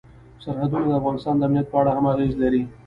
سرحدونه د افغانستان د امنیت په اړه هم اغېز لري.